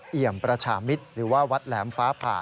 เอี่ยมประชามิตรหรือว่าวัดแหลมฟ้าผ่า